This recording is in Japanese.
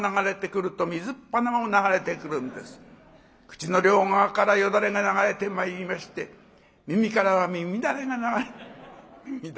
口の両側からよだれが流れてまいりまして耳からは耳だれが流れ耳